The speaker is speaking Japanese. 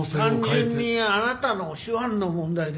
単純にあなたの手腕の問題でしょう